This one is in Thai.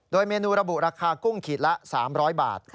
โดยเมนูระบุราคากุ้งขีดละ๓๐๐บาท